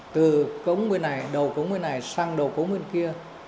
từ đầu cống bên này sang đầu cống bên kia